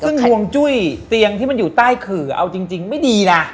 ซึ่งห่วงจุ้ยเตียงที่มันอยู่ใต้ขื่อเอาจริงไม่ดีนะ